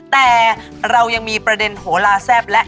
แต่เรายังมีประเด็นโหลาแซ่บและ